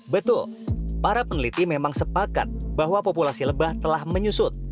betul para peneliti memang sepakat bahwa populasi lebah telah menyusut